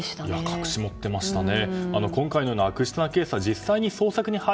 隠し持ってましたね。